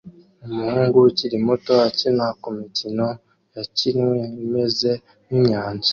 Umuhungu ukiri muto akina kumikino yakinwe imeze nkinyanja